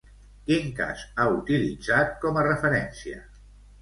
Quin cas ha utilitzat com a referència?